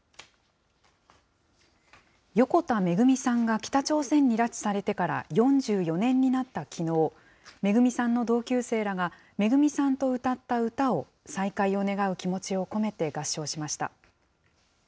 横田めぐみさんが北朝鮮に拉致されてから４４年になったきのう、めぐみさんの同級生らがめぐみさんと歌った歌を、再会を願う気持ちを込めて合唱しました。